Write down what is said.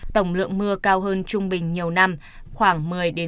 tổng lượng mưa cao hơn trung bình nhiều năm khoảng một mươi một mươi năm